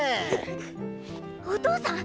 っ⁉お父さん⁉